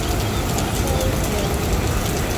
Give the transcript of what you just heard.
十四